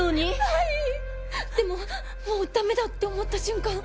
でももうダメだって思った瞬間。